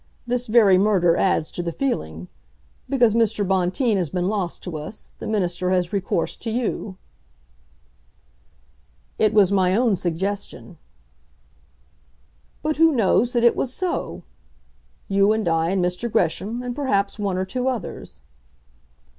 This very murder adds to the feeling. Because Mr. Bonteen has been lost to us, the Minister has recourse to you." "It was my own suggestion." "But who knows that it was so? You, and I, and Mr. Gresham and perhaps one or two others."